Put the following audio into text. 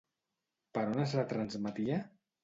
Per on es retransmetia?